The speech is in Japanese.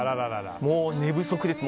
もう寝不足です。